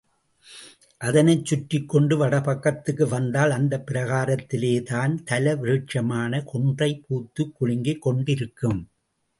அதனைச் சுற்றிக் கொண்டு வடபக்கத்துக்கு வந்தால் அந்தப் பிராகாரத்திலேதான் தல விருட்சமான கொன்றை பூத்துக் குலுங்கிக் கொண்டிருக்கும்.